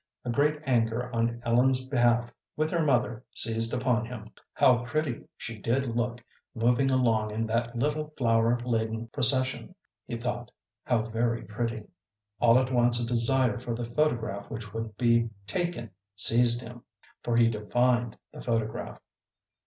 A great anger on Ellen's behalf with her mother seized upon him. How pretty she did look moving along in that little flower laden procession, he thought, how very pretty. All at once a desire for the photograph which would be taken seized him, for he divined the photograph.